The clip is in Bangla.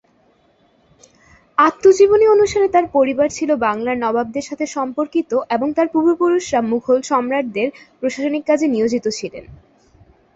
আত্মজীবনী অনুসারে তার পরিবার ছিল বাংলার নবাবদের সাথে সম্পর্কিত এবং তার পূর্ব পুরুষরা মুঘল সম্রাটদের প্রশাসনিক কাজে নিয়োজিত ছিলেন।